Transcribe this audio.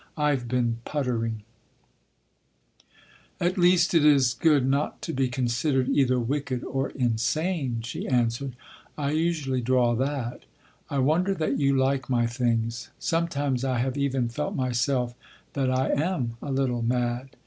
I’ve been puttering—" "At least, it is good not to be considered either wicked or insane," she answered. "I usually draw that. I wonder that you like my things. Sometimes I have even felt myself that I am a little mad.